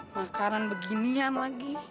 makanan beginian lagi